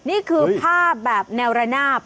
นี่คือภาพแบบแนวระนาบ